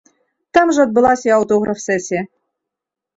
Там жа адбылася і аўтограф-сэсія.